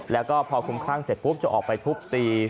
แล้วก็พอคุ้มคลั่งเสร็จปุ๊บจะออกไปทุบตี